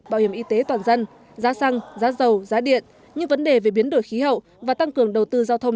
bảo hiểm y tế toàn dân giá xăng giá dầu giá điện những vấn đề về biến đổi khí hậu và tăng cường đầu tư giao thông